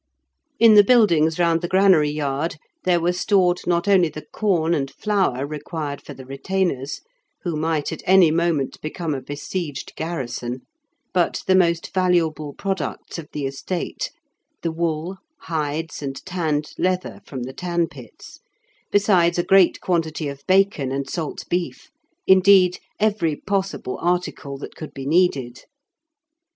In the buildings round the granary yard there were stored not only the corn and flour required for the retainers (who might at any moment become a besieged garrison), but the most valuable products of the estate, the wool, hides, and tanned leather from the tan pits, besides a great quantity of bacon and salt beef; indeed, every possible article that could be needed.